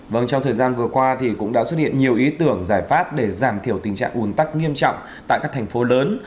vâng trong thời gian vừa qua thì cũng đã xuất hiện nhiều ý tưởng giải pháp để giảm thiểu tình trạng ủn tắc nghiêm trọng tại các thành phố lớn